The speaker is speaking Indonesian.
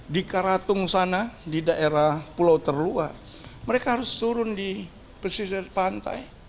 di karatung sana di daerah pulau terluar mereka harus turun di pesisir pantai